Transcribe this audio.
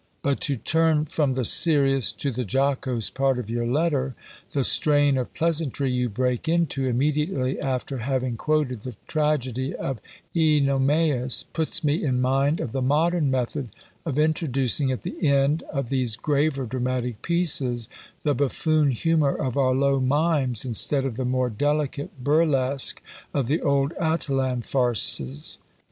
"But to turn from the serious to the jocose part of your letter the strain of pleasantry you break into, immediately after having quoted the tragedy of Oenomaus, puts me in mind of the modern method of introducing at the end of these graver dramatic pieces the buffoon humour of our low Mimes instead of the more delicate burlesque of the old Atellan Farces."